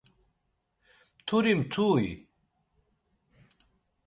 Mturi mtu-i?